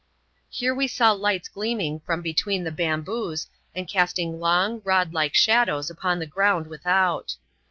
Here we saw lights gleaming from between the bamboos, and easting long, rod like shadows upon the ground without.